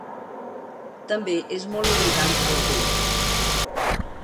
També és molt irritant a la pell.